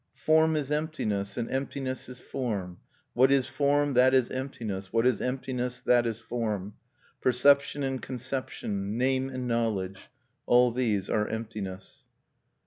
"_Form is emptiness, and emptiness is form. What is form, that is emptiness; what is emptiness, that is form. Perception and conception, name and knowledge, all these are emptiness.